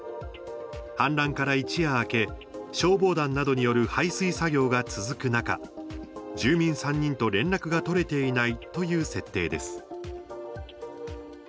氾濫から一夜明け消防団などによる排水作業が続く中住民３人と連絡が取れていないという設定です。